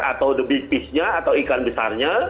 atau the big piece nya atau ikan besarnya